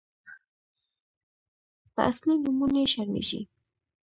_په اصلي نومونو يې شرمېږي.